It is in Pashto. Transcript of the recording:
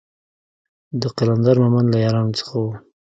د قلندر مومند له يارانو څخه و.